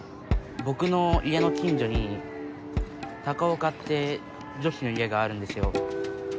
僕の家の近所に高岡って女子の家があるんですよ。